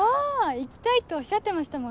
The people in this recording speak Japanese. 行きたいっておっしゃってましたもんね。